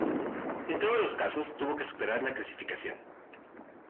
En todos los casos, tuvo que superar la clasificación.